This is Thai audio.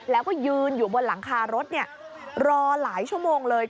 แล้วก็ยืนอยู่บนหลังคารถรอหลายชั่วโมงเลย